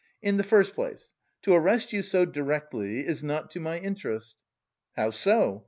In the first place, to arrest you so directly is not to my interest." "How so?